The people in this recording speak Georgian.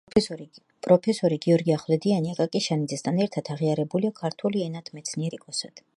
პროფესორი გიორგი ახვლედიანი, აკაკი შანიძესთან ერთად, აღიარებულია ქართული ენათმეცნიერების ფუძემდებლად და კლასიკოსად.